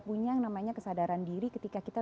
punya yang namanya kesadaran diri ketika kita